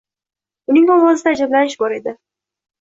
Uning ovozida ajablanish bor edi